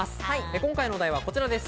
今回のお題はこちらです。